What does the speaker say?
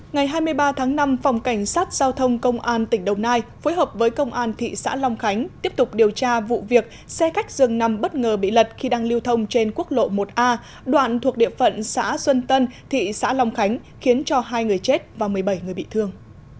ngày hai mươi ba tháng năm phòng cảnh sát giao thông công an tỉnh đồng nai phối hợp với công an thị xã long khánh tiếp tục điều tra vụ việc xe khách dường nằm bất ngờ bị lật khi đang lưu thông trên quốc lộ một a đoạn thuộc địa phận xã xuân tân thị xã long khánh khiến cho hai người chết và một mươi bảy người bị thương